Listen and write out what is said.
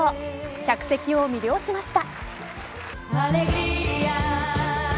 客席を魅了しました。